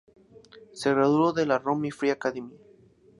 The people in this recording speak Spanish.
Se graduó de la "Rome Free Academy".